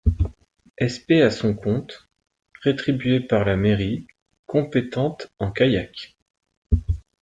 SP à son compte, rétribuée par la mairie, compétente en kayak.